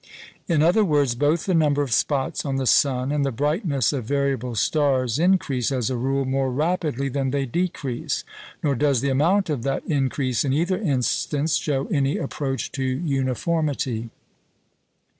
In other words, both the number of spots on the sun and the brightness of variable stars increase, as a rule, more rapidly than they decrease; nor does the amount of that increase, in either instance, show any approach to uniformity.